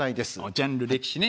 ジャンル歴史ね。